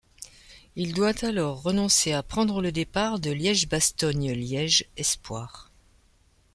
Il doit alors renoncer à prendre le départ de Liège-Bastogne-Liège espoirs.